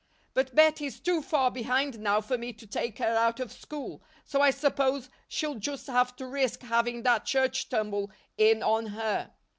But Bettie's too far behind now for me to take her out of school, so I suppose she'll just have to risk having that church tumble in on her."